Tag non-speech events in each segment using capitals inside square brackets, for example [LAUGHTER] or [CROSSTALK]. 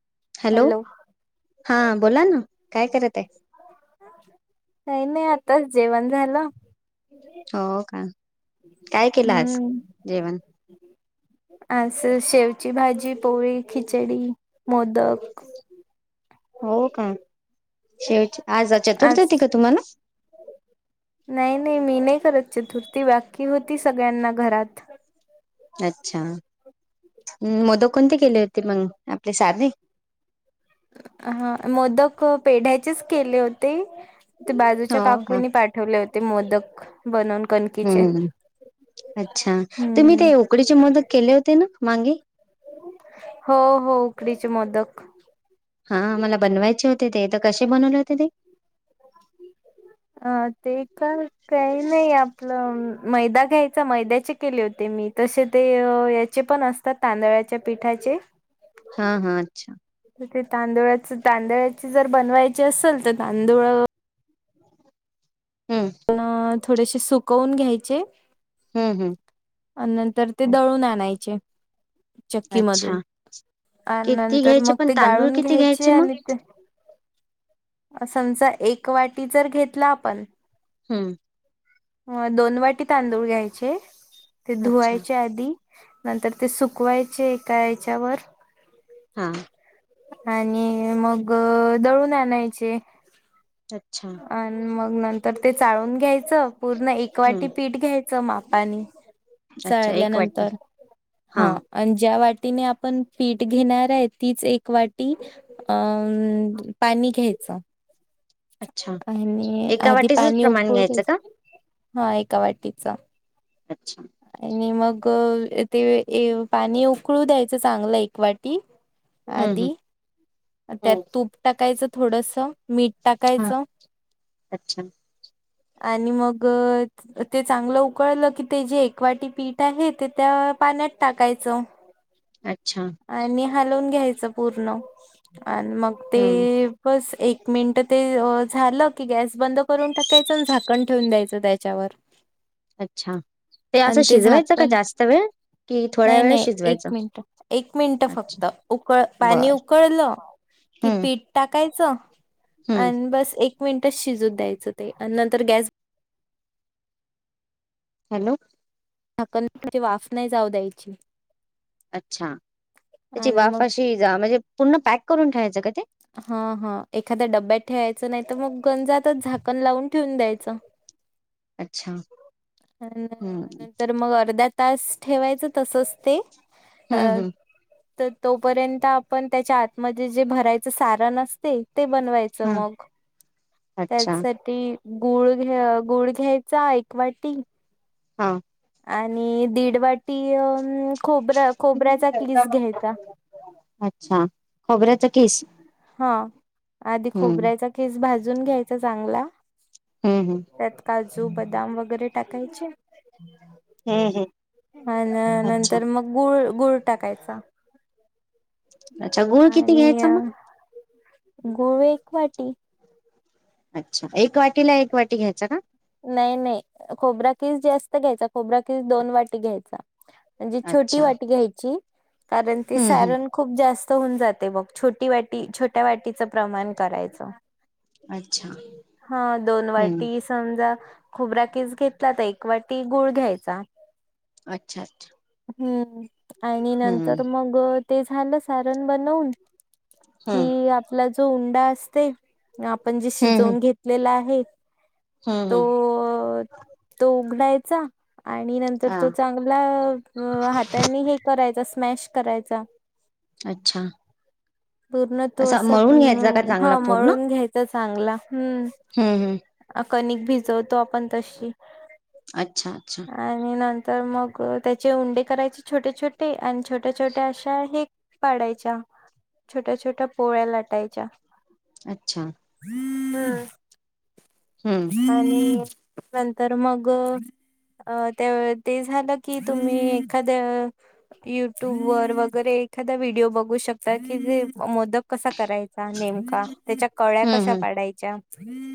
[INAUDIBLE] Hello [INAUDIBLE] हा बोला ना काय करत [INAUDIBLE] आहे काही नाही आताच जेवण झालं. [INAUDIBLE] हो का काय केलं आज हम्म जेवण [INAUDIBLE] [INAUDIBLE] अस शेवची भाजी पोळी [INAUDIBLE] खिचडी मोदक, [INAUDIBLE] [INAUDIBLE] हो का, [INAUDIBLE] [INAUDIBLE] शेवची [INAUDIBLE] आज चतुर्थ आज होती का तुम्हाला, [INAUDIBLE] नाही नाही मी नाही करत चतुर्थी बाकी होती सगळ्यांना घरात, [INAUDIBLE] [INAUDIBLE] अच्छा् [INAUDIBLE] मोद कोणते केले होते मग आपले साथे [INAUDIBLE] [INAUDIBLE] हा मोदक पेढ्याचेच केले होते. [INAUDIBLE] ते हो बाजूच्या का काकूनी पाठवले होते मोदक बनवून कणकीचे, हम्म [INAUDIBLE] [INAUDIBLE] अच्छा तुम्ही हम्म ते उकडीचे मदक केले होते ना मांगे, [INAUDIBLE] [INAUDIBLE] हो हो उकडीचे मोदक, [INAUDIBLE] हा मला बनवायचे होते ते तर कसे बनवले होते ते, [INAUDIBLE] हा ते का काही नाही आपलं मैदा घ्यायचा मैद्याचे केले होते मी तसे ते याचे पण असतात तांदळाच्या पिठाचे [UNINTELLIGIBLE] हा हा अच्छा. तर तांदुळाच तांदळाची जर बनवायची असेल तर तांदूळ हम्म. थोडेसे सुकवून घ्यायचे हम्म हम्म आणि नंतर ते दळून आणायचे. चक्की अच्छा मधून आणि किती नंतर घ्यायचे मग पण ते तांदूळ गाळून किती घ्यायचे मग आणि ते समजा एक वाटी जर घेतला आपण हम्म. दोन वाटी तांदूळ घ्यायचे ते अच्छा धुवायचे आधी नंतर ते सुकवायचे एका ह्याच्यावर हा. आणि मग दळून आणायचे. अच्छा. आणि मग नंतर ते चाळून घ्यायचं पूर्ण एक हम्म वाटी पीठ घ्यायचं मापानी अच्छा एक वाटी चाळल्यानंतर हा आणि ज्या वाट तिने आपण पीठ घेणार आहे तीच एक वाटी अ पाणी घ्यायचं. अच्छा आणि एका आधी वाटीचच पाणी प्रमाण उकळू घ्यायचं का? द्यायचं. हा एका वाटीचा अच्छा. आणि मग ते पाणी उकळू द्यायचं चांगलं एक वाटी हम्म आदी त्यात हम्म तूप टाकायचं, थोडस मीठ हा. टाकायचं. अच्छा आणि मग ते चांगलं उकळलं की ते जे. एकवाटी पीठ आहे ते त्या पाण्यात टाकायचं. अच्छा! हालवुन घ्यायच पूर्ण आणि मग हम्म ते बस एक मिनट ते झालं की गॅस बंद करून टाकायचं झाकण ठेवून द्यायचं त्याच्यावर. अच्छा ते असं शिजवायचं का जास्त वेळ? कि थोड्या वेळ नाही-नाही एक शिजवायचं मिनट. एक मिनिट अच्छा फक्त उकळ पाणी बर उकळलं. कि हम्म पीठ टाकायचं हम्म आणि बस एक मिनिटच शिजत द्यायचं ते आणि नंतर गॅस हॅलो. झााकन ठेवायच वाफ नाही जाऊ द्यायची. अच्छा त्याची आणि मग वाफ अशी जा म्हणजे पूर्ण पॅक करून ठेयचं का ते? हा हा एखाद्या डब्यात ठेवायचं नाही. तर मग गंजातच झाकण लावून ठेऊन द्यायचं. अच्छा! हम्म नंतर मग अर्धा तास ठेवायचं तसच ते. अ. हम्म हम्म तोपर्यंत आपण त्याच्या आतमध्ये जे भरायचं सारन असते. ते बनवायचं हा मग अच्छा त्याचसाठी. गुळ घ्या. गुळ घ्यायचा एक वाटी. हा. आणि दीडवाटी अ खोब खोबऱ्याचा कीस घ्यायचा. [INAUDIBLE] अच्छा खोबऱ्याचा किस [INAUDIBLE] हा [INAUDIBLE] आधी हम्म खोबऱ्याचा कीस भाजून घ्यायचा चांगला, [INAUDIBLE] हम्म हम्म त्यात काजू बदाम वगैरे टाकायचे. [INAUDIBLE] हम्म हम्म. आण अच्छा नंतर मग गुळ गुळ, टाकायचा. [INAUDIBLE] [INAUDIBLE] अच्छा गुळ किती आणि घ्यायचा मग? [INAUDIBLE] [INAUDIBLE] गुळ एक वाटी. [INAUDIBLE] [INAUDIBLE] अच्छा एक वाटीला एक वाटी घ्यायचा का? [INAUDIBLE] नाही नाही [INAUDIBLE] खोबरा कीस जास्त घ्यायचा खोबरा किस दोन वाटी घ्यायचा. [INAUDIBLE] म्हणजे छोटी अच्छा वाटी घ्यायची. कारण ते हम्म हम्म सारण खूप जास्त होऊन जाते मग छोटी वाटी छोट्या वाटीचं, प्रमाण करायचं. अच्छा हा दोन हम्म वाटी किस खोबरा किस घेतला, तर एक वाटी गुळ घ्यायचा‌. अच्छा अच्छा! हम्म, आणि हम्म नंतर मग ते झालं सारण बनवून, हम्म कि आपला जो उंडा असते. आपण जे हम्म शिजवून घेतलेला आहे. हम्म हम्म तो, तो उघडायचा. आणि नंतर हा तो चांगला हातानी हे करायचा, स्मॅश करायचा. अच्छा पूर्ण तो असा असं, मळून घ्यायचा का चांगला हा पूर्ण मळून घ्यायचाच. चांगला. हम्म हम्म, हम्म! अ, कणिक भिजवतो आपण तशी. अच्छा, अच्छा! तर मग त्याचे उंडे करायचे, छोटे छोटे आणि छोट्या छोट्या अशा हे पाडायच्या छोट्या, छोट्या, पोळ्या लाटायच्या. अच्छा! हम [UNINTELLIGIBLE] हम्म आणि नंतर मग अ त्या ते झालं की, तुम्ही एखाद्या युट्यूब वर वगैरे एखादा व्हिडिओ बघू शकता. की जे मोदक कसा? करायचा नेमका, त्याच्या कळ्या हम्म कशा हम्म पाडायच्या.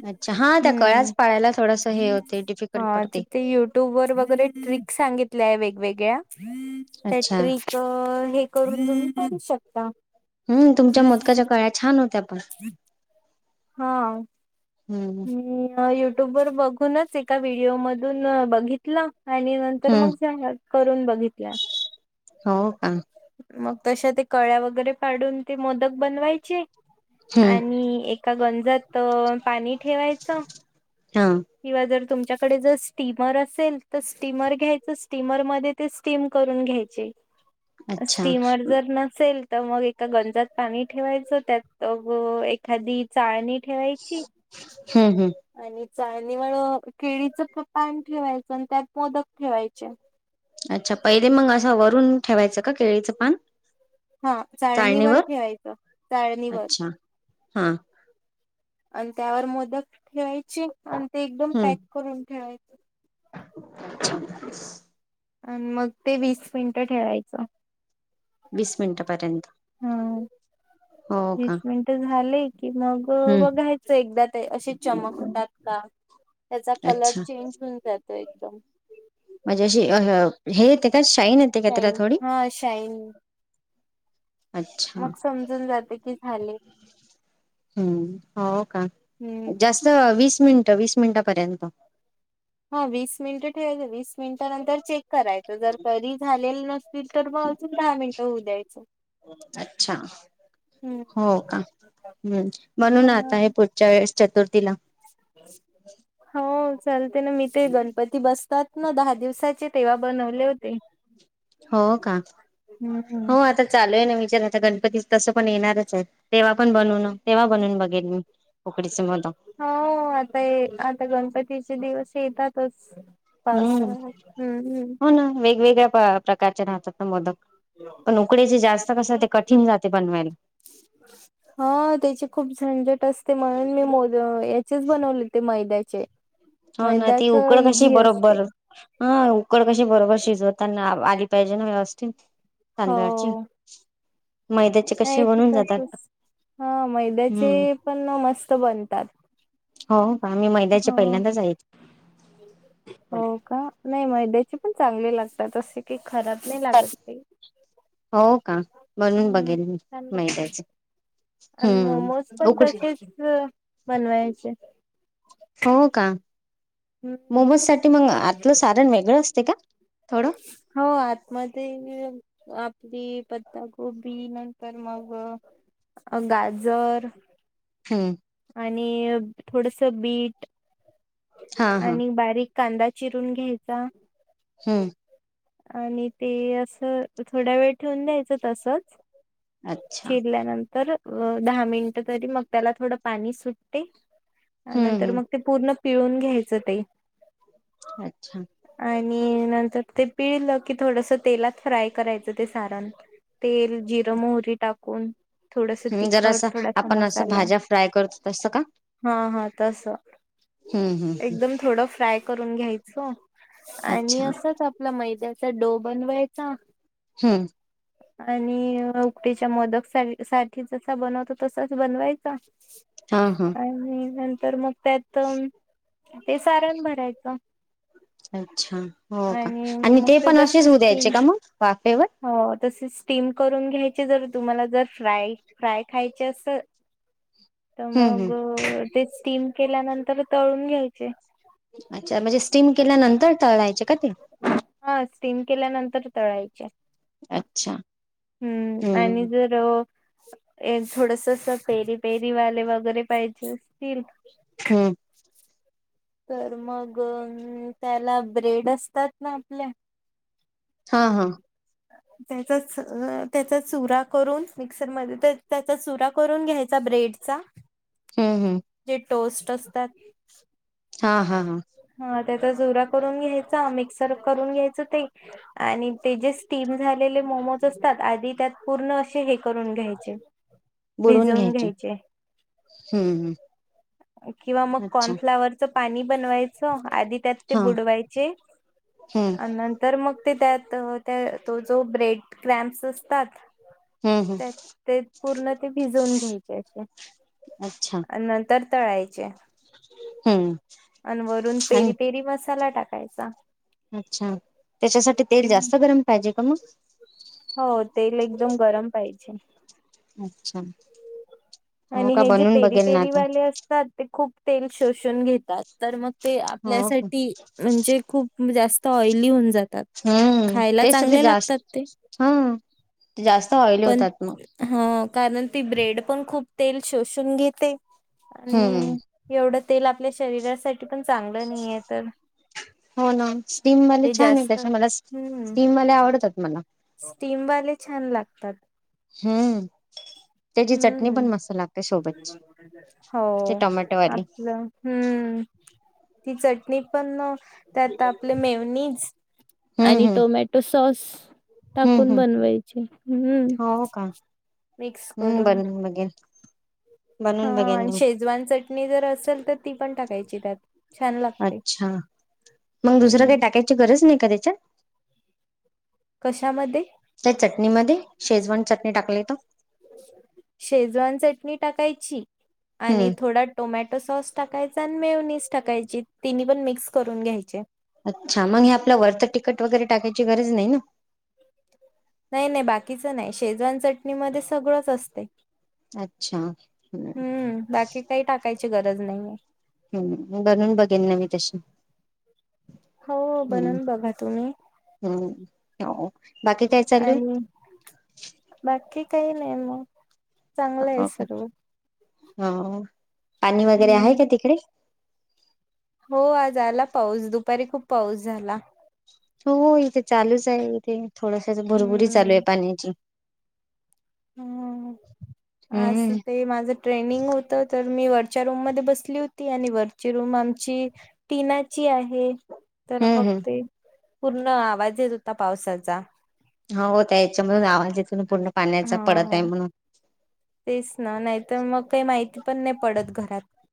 अच्छा हा त्या कळ्याच हम् पाळायला थोडस हे होते डिफिकल्ट हा तर पडते ते युट्यूब वर वगैरे ट्रिक सांगितल्याय वेगवेगळ्या, त्या अच्छा ट्रिक हे करून करू शकता. हम्म, तुमच्या मोदकाच्या काळ्या छान होत्या पण हा म हम्म [UNINTELLIGIBLE] युट्युब वर बघूनच एका व्हिडिओ मधून बघितलं. आणि नंतर हम्म मग झालं. करून बघित हो का? मग तशा ते कळ्या वगैरे पाडून, ते मोदक बनवायचे हम्म आणि एक गंजात पाणी ठेवायचं, हा किं जर तुमच्याकडे जर स्टीमर असेल, तर स्टीमर घ्यायचं स्टीमर मध्ये ते स्टीम करून घ्यायच अच्छा स्टीमर जर नसेल तर मग एका गंजात पाणी ठेवायचं, त्यात एखादी चाळणी ठेवायची हम्म, हम्म आणि चाळणीवर केळीच पान ठेवायचं, आणि त्यात मोदक ठेवायचे. अच्छा पहिले मग असं, वरून ठेवायचं का केळीचं पान? हा, चाळणीवर ठेवायचं चाळणीवर अच्छा हा आणि त्यावर मोदक ठेवायचे आणि ते एकदम हम्म पॅक करून ठेवायचे. [INAUDIBLE] आणि मग ते वीस मिनिटं ठेळायचं. वीस मिनिटपर्यंत हम्, का वीस मिनिट झाले. कि मग हं, बघायचं एकदा ते असे चमकतात का? त्याचा कलर अच्छा. चेंज होऊन जातो एकदम. म्हणजे अशी अ, ह हे येते का शाईन येते का त्याला शाईन थोडी? हा शाईन! अच्छा. मग समजून जात की झाले. हम्म, हो का हम्म. जास्त वीस वीस मिनट वीस मिनिटपर्यंत, [INAUDIBLE] हा वीस मिनिट ठेवायचं वीस मिनिट नंतर चेक, करायचं जर तरी झालेलं नसतील तर म अजून दहा मिनटं होऊ द्यायचं. [INAUDIBLE] [INAUDIBLE] अच्छा, [INAUDIBLE] हम्म हो का [INAUDIBLE] हम्म म्हणून आता हे हा. पुढच्या वेळेस चतुर्थीला, [INAUDIBLE] [INAUDIBLE] हो चालते ना मी ते गणपती बसतात ना दहा दिवसाचे, तेव्हा बनवले होते. हो का? [INAUDIBLE] हम्म, हो [INAUDIBLE] आता चालू आहे ना आता गणपती तसं पण येणारच आहे तेव्हा पण बनून तेव्हा बनून बघेल मी, [INAUDIBLE] मोदक. [INAUDIBLE] हो आता आता गणपतीचे दिवस येतातच. [INAUDIBLE] [INAUDIBLE] हम्म पावसाळ्यात हम्म हम्म. [INAUDIBLE] हो ना वेगवेगळ्या प्रकारचे राहतात ना मोदक, [INAUDIBLE] पण उकडे जे जास्त कस ते कठीण जाते बनवायला, [INAUDIBLE] [INAUDIBLE] हो तेची खूप झंजट असते म्हणून मी मो याचेच बनवले हो ते मैद्याचे हो ना ती मैद्याच उकड कशी इझी असते बरोबर. हा उकड कशी बरोबर शिजवताना आली पाहिजे ना व्यवस्थित. हो तांदळाची. मैद्याचे नाही कसे ते बनून तसच, जातात हा मैद्याचे हम्म पण मस्त बनतात. हो आम्ही ह. महिन्याच्या पहिल्यांदाच आहेत [INAUDIBLE] हो का, नाही मैद्याची पण चांगली लागतात असशी की खराब नाही लागत ते. [INAUDIBLE] हो का, [INAUDIBLE] बनून हम्म बघेल मी छान लागतात मैद्याचे. [INAUDIBLE] आणि हम्म मोमोज पण उकड तसेच बनवायचे. हो का, हम्म. मोमोस साठी मग आतलं सारण वेगळं असते का? थोडं हो आतमध्ये पापडी, पता गोबी, नंतर मग, अ गाजर, हम्म आणि थोडस बीट, हा हा आणि बारीक कांदा चिरून घ्यायचा, हम्म. आणि ते असं थोड्या वेळ ठेवून द्यायचं तसच अच्छा. तर दहा मिनिटं तरी मग त्याला थोडं पाणी सुटते हम्म नंतर हम्म मग ते पूर्ण पिळून घ्यायचं ते अच्छा. आणि नंतर ते पिळलं की थोडस तेलात फ्राय करायचं ते सारण. तेल, जिरं, मोहरी टाकून. थोडस हम्म जरा तिखट, असं थोडासा आपण असं मसाला. भाज्या फ्राय करतो तसं का हा हां तस. हम्म हम्म एकदम थोड फ्राय करा करून घ्यायच, आणि अच्छा असच आपला मैदयाचा डो बनवायचा हम्म. आणि उकडीच्या मोदक सा साठी जसा बनवतो तसाच बनवायचा. हा हा आणि नंतर मग त्यात ते सारण भरायचं. अच्छा हो का आणि मग ते पण असेच दसच होऊ द्यायचे तीन का मग वाफेवर हो. तसे स्टीम करून घ्यायचे, जर तुम्हाला जर फ्राय फ्राय खायची अस तर हम्म मग हम् ते स्टीम केल्यानंतर तळून घ्यायचे. अच्छा म्हणजे स्टीम केल्यानंतर तळायचे का ते? स्टीम केल्यानंतर तळायचे. अच्छा. हम्म. आणि जर थोडस अस पेरी पेरी वाले वगैरे पाहिजे असतील हम्म तर मगं त्याला ब्रेड असतात ना आपले हां, हां. त्याचाच त्याचा चुरा करून मिक्सर म त्याचा चुरा करून घ्यायचा ब्रेडचा. हम्म हम्म. जे टोस्ट असतात हा हा हा. हा त्याचा चुरा करून घ्यायचा, मिक्सर करून घ्यायच ते, आणि ते जे स्टीम झालेले मोमोज असतात, आधी त्यात पूर्ण अस हे करून घ्यायचे. भिजवून घ्यायचे. हम्म किंवा मग हम् अच्छा कॉर्नफ्लावर पाणी बनवायचं, आधी त्यात ते हा बुडवायचे. हम्म नंतर मग ते त्यात त्या तो जो ब्रेड क्रॅम्पस असतात हम्म हम् त्यात ते पूर्ण ते भिजवून घ्यायचे असे. अच्छा [INAUDIBLE] आण नंतर तळायचे, [INAUDIBLE] [INAUDIBLE] [INAUDIBLE] आण वरून आणि पेरी पेरी मसाला टाकायचा, [INAUDIBLE] अच्छा [INAUDIBLE] त्याच्यासाठी तेल जास्त गरम पाहिजे का मग, [INAUDIBLE] [INAUDIBLE] हो तेल एकदम गरम पाहिजे, [INAUDIBLE] [INAUDIBLE] अच्छा, [INAUDIBLE] [INAUDIBLE] हो आणि का हे जे बनून पेरी बघेल ना आता पेरीवाले असतात ते खूप तेल शोषून घेतात तर मग ते, हो का आपल्यासाठी म्हणजे खूप जास्त ऑइली होऊन जातात. [INAUDIBLE] [INAUDIBLE] हम्म खायला तेच तर ते चांगले जास्त लागतात ते, [INAUDIBLE] हा [INAUDIBLE] ते जास्त ऑइल पण होतात मग, [INAUDIBLE] ह कारण ती ब्रेड पण खूप तेल शोषून घेते [INAUDIBLE] हम्म आणि [INAUDIBLE] एवढं, तेल आपल्या शरीरासाठी पण चांगलं नाही आहे तर, [INAUDIBLE] [INAUDIBLE] हो ना स्टीमवाले ते छान आहे जास्त त्याच्या मला [INAUDIBLE] हम्म स्टीमवाले आवडतात मला, स्टीमवाले छान लागतात. [INAUDIBLE] [INAUDIBLE] हम [INAUDIBLE] त्याची चटणी हम्म पण मस्त लागते. सोबतची [INAUDIBLE] हो ते [INAUDIBLE] टोमॅटोवाली आपलं हं [INAUDIBLE] ती चटणी पण [INAUDIBLE] त्यात आपले मेवनीच [INAUDIBLE] [INAUDIBLE] हम्म आणि हम्म टोमॅटो सॉस [INAUDIBLE] हम्म टाकून हम्म बनवायचे हं, हो का [INAUDIBLE] [INAUDIBLE] मिक्स हम्म करून, [INAUDIBLE] बनून बघेल [INAUDIBLE] हा बनून बघेल आण मी शेजवान चटणी जर असेल तर ती पण टाकायची त्यात. छान [INAUDIBLE] लागते अच्छा [INAUDIBLE] मग दुसरं हम्म काही टाकायची गरज नाही का त्याच्यात, [INAUDIBLE] कशामध्ये [INAUDIBLE] त्या चटणीमध्ये शेजवान चटणी टाकलीेत. [INAUDIBLE] शेजवान चटणी टाकायची आणि हम्म थोडा टोमॅट तो सॉस टाकायचा आणि मेवनीस टाकायची तिनी पण मिक्स करून घ्यायचे अच्छा मग हे आपल वरच तिकट वगैरे टाकायची गरज नाही ना नाही नाही बाकीच नाही शेजवान चटणी मधे सगळंच असतय अच्छा हम्म हम्म बाकी काही टाकायची गरज नाहीये. हम्म बनवून बघेन ना मी तशी हो हम्म बनवून बघा तुम्ही हम्म हो बाकी काय चालू आहे? आणि बाकी काही नाही मग चांगलं आहे सर्व हा पाणी वगैरे हम्म आहे का तिकडे हो आज आला पाऊस दुपारी खूप पाऊस झाला. हो हो इथे चालूच आहे इथे थोडसच भुरभुरी चालू हम्म आहे पाण्याची हम्म हम्म हम्म अस हम्म ते माझ ट्रेनिंग होत तर मी वरच्या रूम मध्ये बसली होती आणि वरची रूम आमची टीनाची आहे. तर हम्म हम्म बघते पूर्ण आवाज येत होता पावसाचा हो हो त्या ह्याच्या मधुन आवाज येत पाण्याचा हा पडत आहे हा. म्हणून तेच ना नाहीतर मग काही माहिती पण नाही पडत घरात